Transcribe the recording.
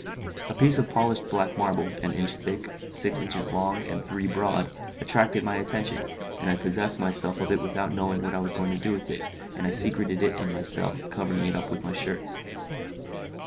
A piece of polished black marble, an inch thick, six inches long, and three broad, attracted my attention, and I possessed myself of it without knowing what I was going to do with it, and I secreted it in my cell, covering it up with my shirts.